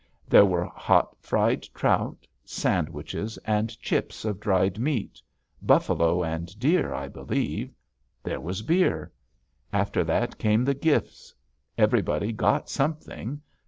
There were hot fried trout, sandwiches, and chips of dried meat buffalo and deer, I believe. There was beer. After that came the gifts. Everybody got something.